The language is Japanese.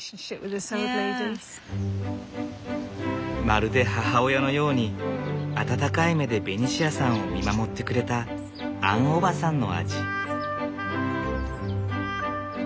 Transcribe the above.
まるで母親のように温かい目でベニシアさんを見守ってくれたアンおばさんの味。